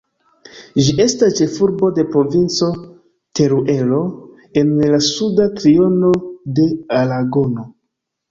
Ĝi estas ĉefurbo de Provinco Teruelo en la suda triono de Aragono.